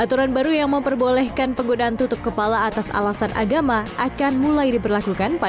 aturan baru yang memperbolehkan penggunaan tutup kepala atas alasan agama akan mulai diperlakukan pada tahun dua ribu tujuh puluh